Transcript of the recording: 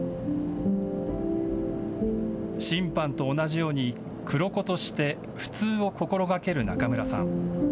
審判と同じように黒子として普通を心がける中村さん。